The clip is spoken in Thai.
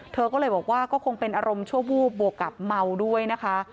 เธอก็เลยบอกว่าก็คงเป็นอารมณ์ชั่ววูบบวกกับเมาด้วยนะคะ